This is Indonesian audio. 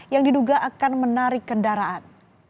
yang diduga akan menarik kendaraan